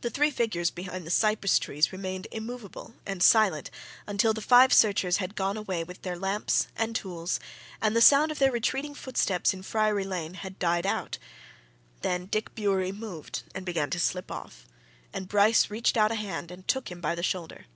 The three figures behind the cypress trees remained immovable and silent until the five searchers had gone away with their lamps and tools and the sound of their retreating footsteps in Friary Lane had died out. Then Dick Bewery moved and began to slip off, and Bryce reached out a hand and took him by the shoulder.